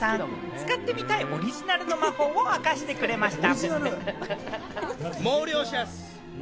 使ってみたいオリジナルの魔法を明かしてくれました。